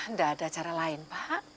tidak ada cara lain pak